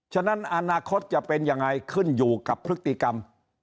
ฉะนั้นอนาคตจะเป็นยังไงขึ้นอยู่กับพฤติกรรม